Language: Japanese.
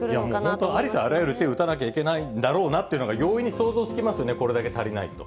もう本当ありとあらゆる手を打たないといけないんだろうなっていうのが、容易に想像つきますよね、これだけ足りないと。